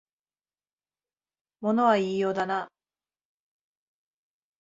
物は言いようだな